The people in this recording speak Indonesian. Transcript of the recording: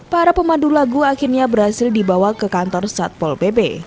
para pemandu lagu akhirnya berhasil dibawa ke kantor satpol pp